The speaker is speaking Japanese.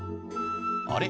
「あれ？